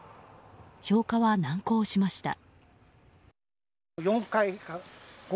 消火は難航しました。